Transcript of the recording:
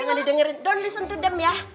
jangan didengerin don't listen to them ya